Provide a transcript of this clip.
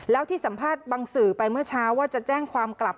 แล้วที่สัมภาษณ์บางสื่อไปเมื่อเช้าว่าจะแจ้งความกลับ